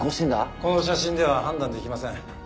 この写真では判断できません。